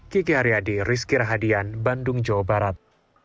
kiki haryadi rizky rahadian bandung jawa barat